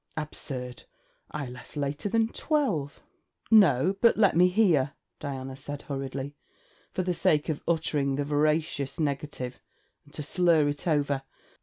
absurd! I left later than twelve.' 'No, but let me hear,' Diana said hurriedly, for the sake of uttering the veracious negative and to slur it over.